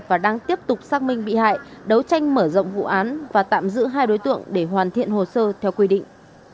và đang tiếp tục xác minh bị hại đấu tranh mở rộng vụ án và tạm giữ hai đối tượng để hoàn thiện hồ sơ theo quy định